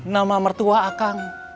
nama mertua akang